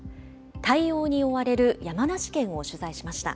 対応に追われる山梨県を取材しました。